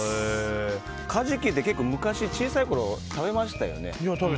カジキって昔、小さいころ食べましたよね。